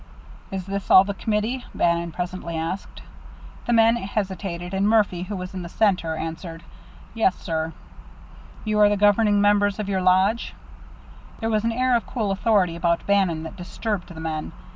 "Is this all the committee?" Bannon presently said. The men hesitated, and Murphy, who was in the centre, answered, "Yes, sir." "You are the governing members of your lodge?" There was an air of cool authority about Bannon that disturbed the men.